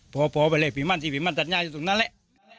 พอไปเลยพิมพ์มั่นสิพิมพ์มั่นจัดงานอยู่ตรงนั้นแหละ